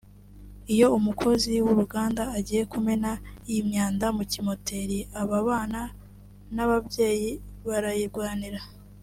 Iyo umukozi w’ uruganda agiye kumena iyi myanda mu kimoteri aba bana n’ ababyeyi barayirwanira